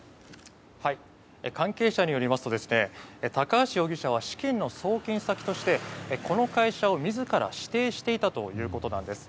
関係者によりますと高橋容疑者は資金の送金先としてこの会社を自ら指定していたということなんです。